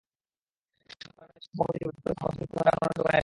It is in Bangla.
সম্মেলনে জেলা শাখার সভাপতি হিসেবে শফিকুল ইসলাম মধুকে পুনরায় মনোনীত করেন এরশাদ।